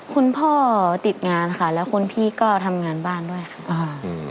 คุณพ่อติดงานค่ะแล้วคุณพี่ก็ทำงานบ้านด้วยค่ะอ่าอืม